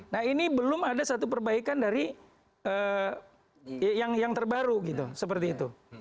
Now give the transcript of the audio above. nah ini belum ada satu perbaikan dari yang terbaru gitu seperti itu